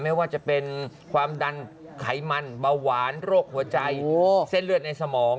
ไม่ว่าจะเป็นความดันไขมันเบาหวานโรคหัวใจเส้นเลือดในสมอง